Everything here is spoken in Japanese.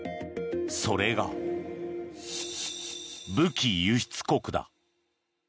それが、武器輸出国だ。